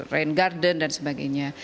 rain garden dan sebagainya